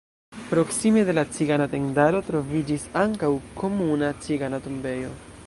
Proksime de la cigana tendaro troviĝis ankaŭ komuna cigana tombejo.